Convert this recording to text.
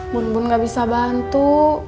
bumbun gak bisa bantu